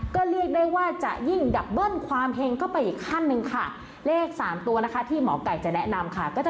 ก็เรียกได้ว่าจะยิ่งดับเบิ้ลความแห่งเข้าไปอีกขั้นนึงค่ะ